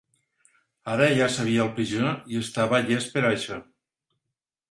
Ara ja sabia el pitjor i estava llest per a això.